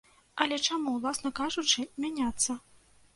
Але чаму, уласна кажучы, мяняцца?